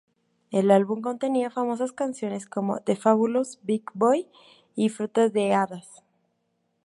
El álbum contenía famosas canciones como "The Fabulous Baker Boy" y "Frutas de hadas.